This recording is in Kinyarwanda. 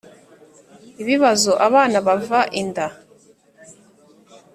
Ibibazo abana bava inda